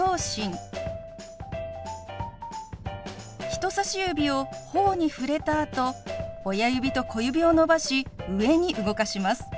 人さし指をほおに触れたあと親指と小指を伸ばし上に動かします。